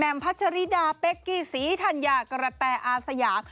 พัชริดาเป๊กกี้ศรีธัญญากระแตอาสยาม